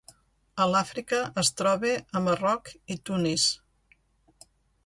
A l'Àfrica es troba a Marroc i Tunis.